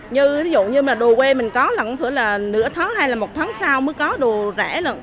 như ví dụ như đồ quê mình có là nửa tháng hay là một tháng sau mới có đồ rẻ lận